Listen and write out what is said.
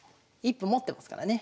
１歩持ってますからね。